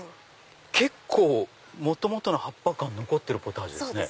結構元々の葉っぱ感残ってるポタージュですね。